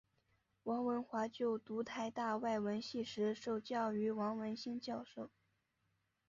王文华就读台大外文系时受教于王文兴教授。